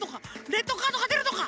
レッドカードがでるのか？